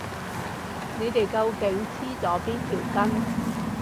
你哋究竟黐咗邊條筋？